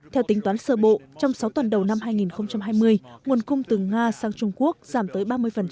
theo tính toán sơ bộ trong sáu tuần đầu năm hai nghìn hai mươi nguồn cung từ nga sang trung quốc giảm tới ba mươi